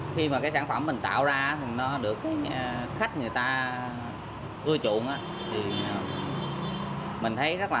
khi mà cái sản phẩm mình tạo ra thì nó được khách người ta ưa chuộng thì mình thấy rất là